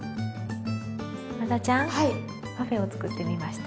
ワダちゃんパフェを作ってみました。